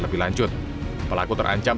lebih lanjut pelaku terancam